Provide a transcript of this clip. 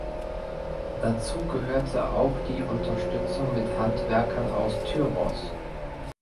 Dazu gehörte auch die Unterstützung mit Handwerkern aus Tyros.